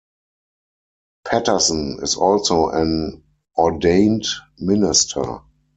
Patterson is also an ordained minister.